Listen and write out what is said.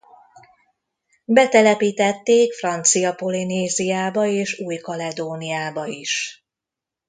Betelepítették Francia Polinéziába és Új-Kaledóniába is.